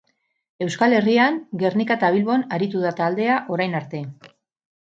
Euskal Herrian, Gernika eta Bilbon aritu da taldea orain arte.